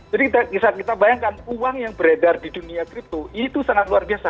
jadi misalnya kita bayangkan uang yang beredar di dunia crypto itu sangat luar biasa